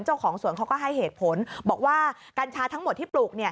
เจ้าของสวนเขาก็ให้เหตุผลบอกว่ากัญชาทั้งหมดที่ปลูก